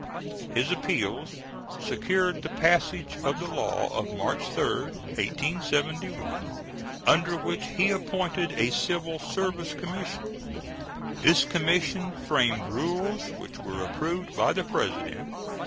His appeals secured the passage of the law of March 3, 1871, under which he appointed a civil service commission. This commission framed rules, which were approved by the President.